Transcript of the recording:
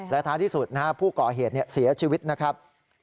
และท้ายที่สุดผู้ก่อเหตุเสียชีวิตนะครับ